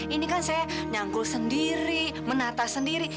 ini kan saya nangkul sendiri menata sendiri